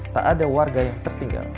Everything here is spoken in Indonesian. tak ada warga yang tertinggal